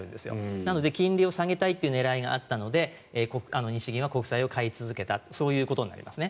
なので、金利を下げたいという狙いがあったので日銀は国債を買い続けたそういうことになりますね。